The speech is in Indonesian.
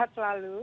baik terima kasih